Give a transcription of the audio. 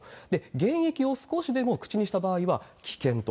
原液を少しでも口にした場合は危険と。